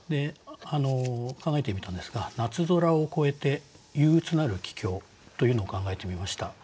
考えてみたんですが「夏空を越えて憂鬱なる帰京」というのを考えてみました。